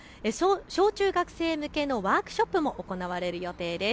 小中学生向けのワークショップも行われる予定です。